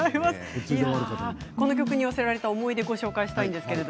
この曲に寄せられた思い出も紹介します。